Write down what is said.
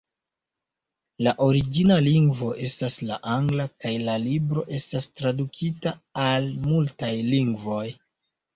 La origina lingvo estas la angla, kaj la libro estas tradukita al multaj lingvoj.